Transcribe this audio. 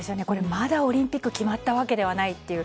まだオリンピック決まったわけではないという。